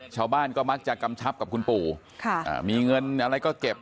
ชาวบ้านก็มักจะกำชับกับคุณปู่มีเงินอะไรก็เก็บ